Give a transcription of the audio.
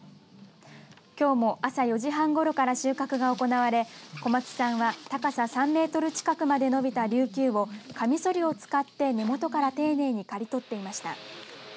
きょうも朝４時半ごろから収穫が行われ小松さんは高さ３メートル近くまで伸びたリュウキュウをかみそりを使って根元から丁寧に刈り取っていました。